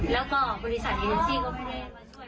แล้วก็บริษัทอิเล็กซี่ก็ไม่ได้มาช่วย